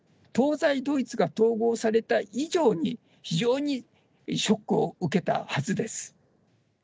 東西ドイツが統合された以上に、非常にショックを受けたはずです。